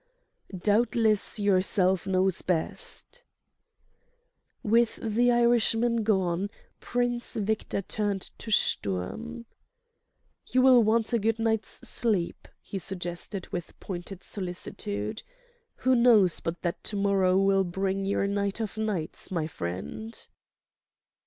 "Doubtless yourself knows best...." With the Irishman gone, Prince Victor turned to Sturm. "You will want a good night's sleep," he suggested with pointed solicitude. "Who knows but that to morrow will bring your night of nights, my friend?"